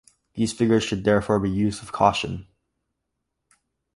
These figures should therefore be used with caution.